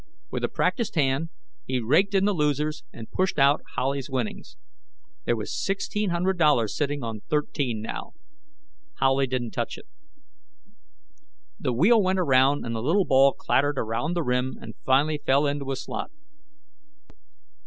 With a practiced hand, he raked in the losers and pushed out Howley's winnings. There was sixteen hundred dollars sitting on thirteen now. Howley didn't touch it. The wheel went around and the little ball clattered around the rim and finally fell into a slot.